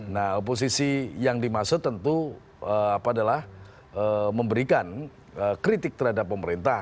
nah oposisi yang dimaksud tentu memberikan kritik terhadap pemerintah